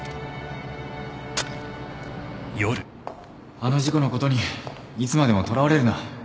あの事故のことにいつまでもとらわれるな